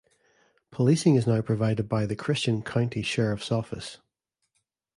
Policing is now provided by the Christian County Sheriff's Office.